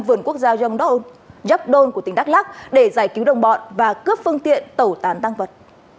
vườn quốc gia yongdo giáp đôn của tỉnh đắk lắc để giải cứu đồng bọn và cướp phương tiện tẩu tán tăng vật